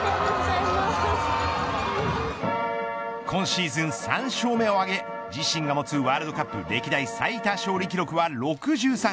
今シーズン３勝目を挙げ自身が持つワールドカップ歴代最多勝利記録は６３。